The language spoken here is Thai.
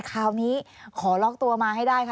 คราวนี้ขอล็อกตัวมาให้ได้ค่ะ